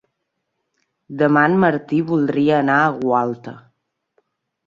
Demà en Martí voldria anar a Gualta.